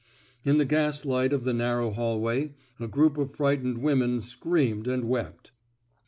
In the ga^ light of the narrow hallway, a group of frightened women screamed and wept.